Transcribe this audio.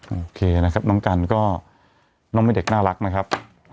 โอเคนะครับน้องกันก็น้องเป็นเด็กน่ารักนะครับ